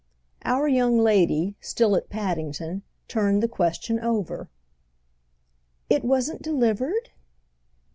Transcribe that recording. Our young lady—still at Paddington—turned the question over. "It wasn't delivered?"